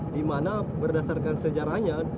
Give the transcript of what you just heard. dimana berdasarkan sejarahnya